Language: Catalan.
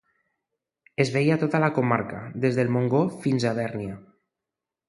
Es veia tota la comarca, des del Montgó fins a Bèrnia.